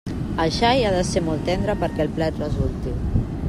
El xai ha de ser molt tendre perquè el plat resulti.